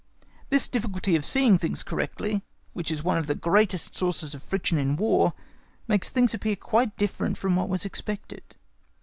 This difficulty of seeing things correctly, which is one of the greatest sources of friction in War, makes things appear quite different from what was expected.